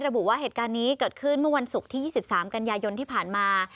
ระบุว่าเหตุการณ์นี้เกิดขึ้นเมื่อวันศุกร์ที่๒๓กันยายนที่ผ่านมา